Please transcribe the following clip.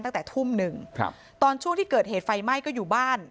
ตั้งแต่ทุ่มหนึ่งครับตอนช่วงที่เกิดเหตุไฟไหม้ก็อยู่บ้าน